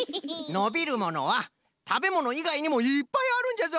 のびるものはたべものいがいにもいっぱいあるんじゃぞ！